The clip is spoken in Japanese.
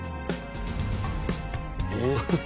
えっ。